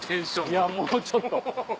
いやもうちょっと。